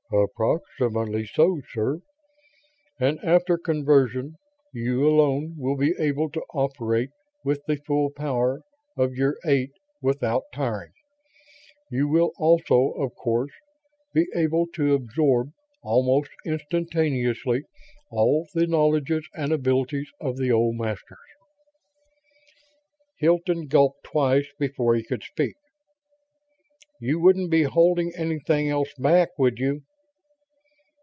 "Approximately so, sir. And after conversion you alone will be able to operate with the full power of your eight, without tiring. You will also, of course, be able to absorb almost instantaneously all the knowledges and abilities of the old Masters." Hilton gulped twice before he could speak. "You wouldn't be holding anything else back, would you?"